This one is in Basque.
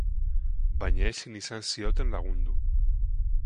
Baina ezin izan zioten lagundu.